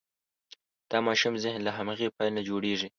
د ماشوم ذهن له هماغې پیل نه جوړېږي.